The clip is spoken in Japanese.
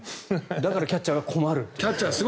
だからキャッチャーが困るという。